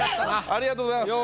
ありがとうございます。